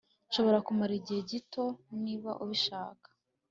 Nshobora kumara igihe gito niba ubishaka